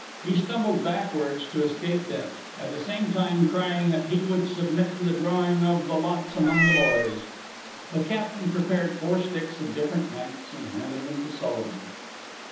He stumbled backwards to escape them, at the same time crying that he would submit to the drawing of the lots among the boys. The captain prepared four sticks of different lengths and handed them to Sullivan.